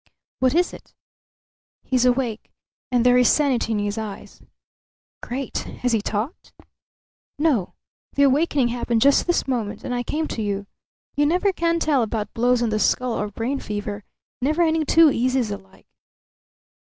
"What is it?" "He's awake, and there is sanity in his eyes." "Great! Has he talked?" "No. The awakening happened just this moment, and I came to you. You never can tell about blows on the skull or brain fever never any two eases alike."